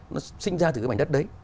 nó sinh ra từ cái bảnh đất đấy